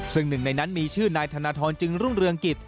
ซึ่งหนึ่งในนั้นมีชื่อนายธนทรจึงรุ่งเรืองกิจ